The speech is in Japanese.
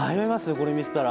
これ見てたら。